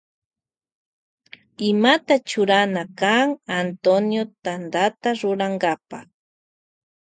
Imata churana kan Antonio Tantata rurankapa.